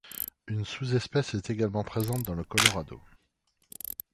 Une sous-espèce est également présente dans le Colorado.